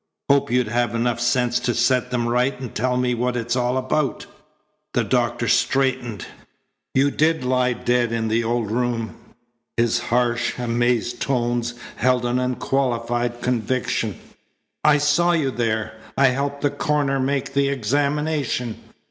Hoped you'd have enough sense to set them right and tell me what it's all about." The doctor straightened. "You did lie dead in the old room." His harsh, amazed tones held an unqualified conviction. "I saw you there. I helped the coroner make the examination.